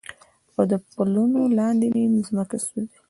او د پلونو لاندې مې مځکه سوزي